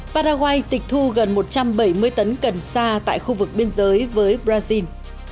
paraguay tịch thu gần một trăm bảy mươi tấn cần sa tại khu vực biên giới với brazil